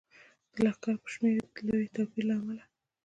د لښکر په شمیر کې د لوی توپیر له امله.